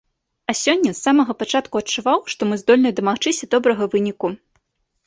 А сёння з самага пачатку адчуваў, што мы здольныя дамагчыся добрага выніку.